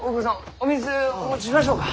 お水お持ちしましょうか？